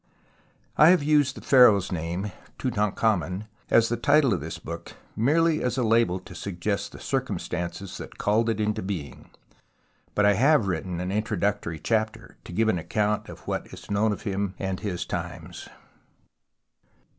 I have used the pharaoh's name " Tutan khamen " as the title of this book merely as a label to suggest the circumstance that called it into being. But 1 have written an intro ductory chapter to give an account of what is known of him and his times.